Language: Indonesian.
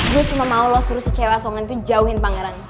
gue cuma mau lo suruh si cewek asongan itu jauhin pangeran